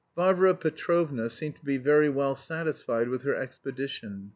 Varvara Petrovna seemed to be very well satisfied with her expedition.